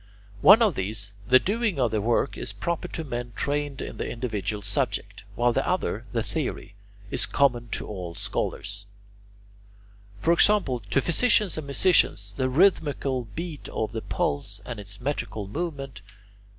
One of these, the doing of the work, is proper to men trained in the individual subject, while the other, the theory, is common to all scholars: for example, to physicians and musicians the rhythmical beat of the pulse and its metrical movement.